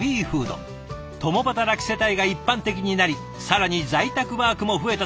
共働き世帯が一般的になり更に在宅ワークも増えた